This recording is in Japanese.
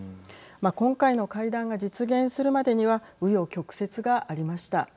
今回の会談が実現するまでにはう余曲折がありました。